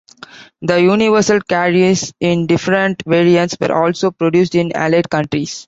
The Universal Carriers, in different variants, were also produced in allied countries.